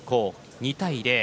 ２対０。